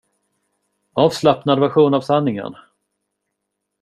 Avslappnad version av sanningen!